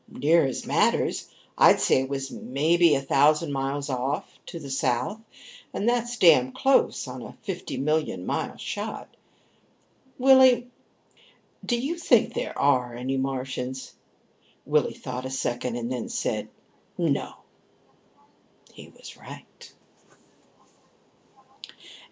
"Near as matters. I'd say it was maybe a thousand miles off, to the south. And that's damn close on a fifty million mile shot. Willie, do you really think there are any Martians?" Willie thought a second and then said, "No." He was right.